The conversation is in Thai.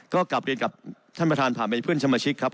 ก็กลับเรียนกับท่านประธานผ่านไปเพื่อนสมาชิกครับ